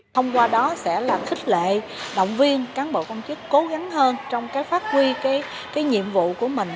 thông qua đó sẽ làm khích lệ động viên cán bộ công chức cố gắng hơn trong phát huy nhiệm vụ của mình